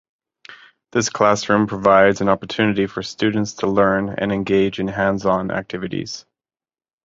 This classroom provides an opportunity for students to learn and engage in hands-on activities.